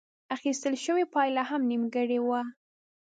اخيستل شوې پايله هم نيمګړې وه.